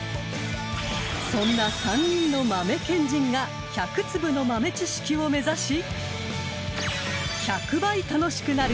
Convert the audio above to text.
［そんな３人の豆賢人が１００粒の豆知識を目指し］